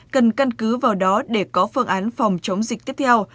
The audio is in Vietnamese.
cần căn cứ vào đó để có phương án phòng chống dịch tiếp theo